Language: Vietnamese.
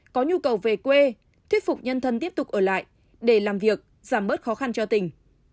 có nhu cầu về quê thuyết phục nhân thân tiếp tục ở lại để làm việc giảm bớt khó khăn cho tỉnh